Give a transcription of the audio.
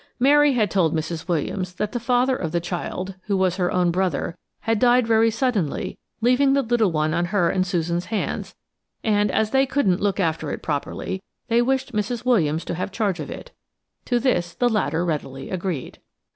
Mary had told Mrs. Williams that the father of the child, who was her own brother, had died very suddenly, leaving the little one on her and Susan's hands; and, as they couldn't look after it properly, they wished Mrs. Williams to have charge of it. To this the latter readily agreed.